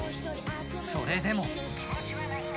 それでも。